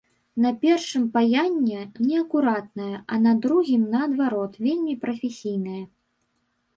На першым паянне неакуратнае, а на другім, наадварот, вельмі прафесійнае.